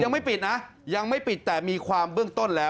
ยังไม่ปิดนะยังไม่ปิดแต่มีความเบื้องต้นแล้ว